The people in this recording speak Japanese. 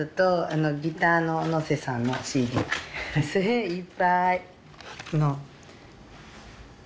いっぱい。